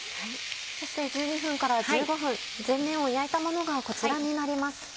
そして１２分から１５分全面を焼いたものがこちらになります。